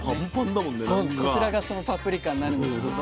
こちらがそのパプリカになるんですけど。